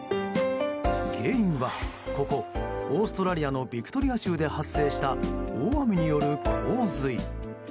原因は、ここオーストラリアのビクトリア州で発生した大雨による洪水。